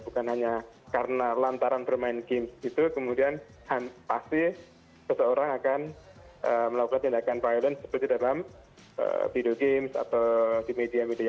bukan hanya karena lantaran bermain games gitu kemudian pasti seseorang akan melakukan tindakan violence seperti dalam video games atau di media media